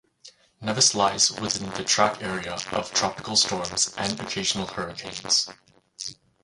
Nevis lies within the track area of tropical storms and occasional hurricanes.